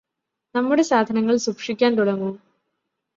നമ്മുടെ സാധനങ്ങള് സൂക്ഷിക്കാന് തുടങ്ങൂ